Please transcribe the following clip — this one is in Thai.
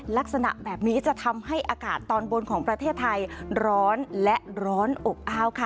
ลักษณะแบบนี้จะทำให้อากาศตอนบนของประเทศไทยร้อนและร้อนอบอ้าวค่ะ